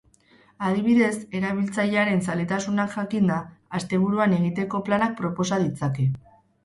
Adibidez, erabiltzailearen zaletasunak jakinda, asteburuan egiteko planak proposa ditzake.